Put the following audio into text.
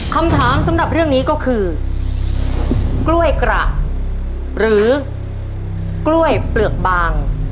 คำถามสำหรับเรื่องนี้ก็คือกล้วยกระหรือกล้วยเปลือกบาง